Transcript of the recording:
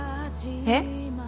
えっ？